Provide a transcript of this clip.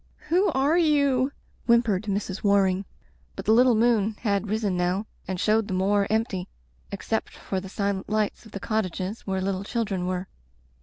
"Who are you?" whimpered Mrs. War ing. But the little moon had risen now and showed the moor empty except for the silent lights of the cottages where little children were.